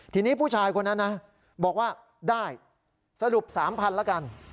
ทีนี้ผู้ชายคนนั้นนะบอกว่าได้สรุป๓๐๐๐แล้วกัน